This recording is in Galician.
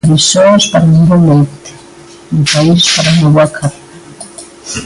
Frisoas para un bo leite, do país para unha boa carne.